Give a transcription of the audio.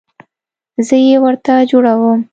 زه یې ورته جوړوم